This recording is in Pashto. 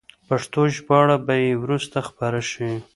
پښتو ژباړه به یې وروسته خپره شي.